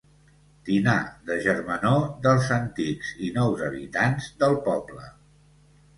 Dinar de germanor dels antics i nous habitants del poble.